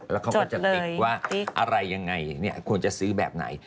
แล้วเขาก็จะติดว่าอะไรยังไงควรจะซื้อแบบไหน